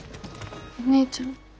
お姉ちゃん。